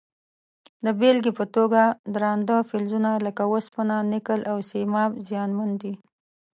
د بیلګې په توګه درانده فلزونه لکه وسپنه، نکل او سیماب زیانمن دي.